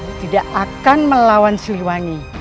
saya tidak akan melawan siliwangi